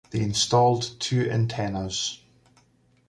They installed two antennas.